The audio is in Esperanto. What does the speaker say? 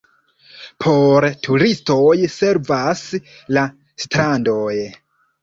Por turistoj servas la strandoj.